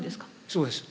そうです。